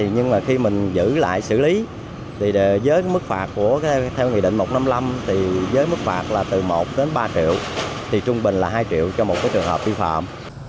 nhưng mà khi mình giữ lại xử lý với mức phạt theo nghị định một trăm năm mươi năm với mức phạt từ một đến ba triệu trung bình là hai triệu cho một trường hợp vi phạm